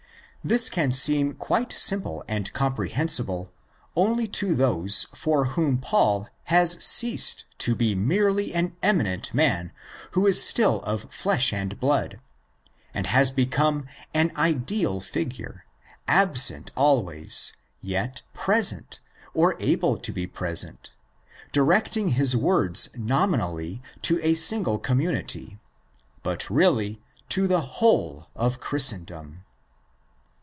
This can seem quite simple and 208 THE EPISTLES TO THE CORINTHIANS comprehensible only to those for whom Paul has ceased to be merely an eminent man who is still of flesh and blood, and has become an ideal figure, absent always, yet present or able to be present, directing his words nominally to a single community, but really to the whole of Christendom.